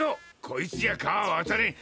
こいつじゃ川はわたれん！